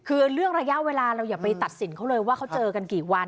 คือเรื่องระยะเวลาเราอย่าไปตัดสินเขาเลยว่าเขาเจอกันกี่วัน